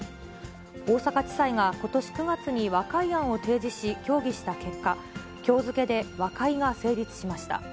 大阪地裁がことし９月に和解案を提示し、協議した結果、きょう付けで和解が成立しました。